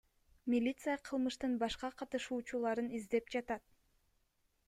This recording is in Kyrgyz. Милиция кылмыштын башка катышуучуларын издеп жатат.